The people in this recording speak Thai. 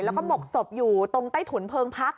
แล้วก็หมกศพอยู่ตรงใต้ถุนเพลิงพัก